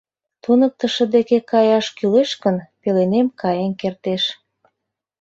— Туныктышо деке каяш кӱлеш гын, пеленем каен кертеш.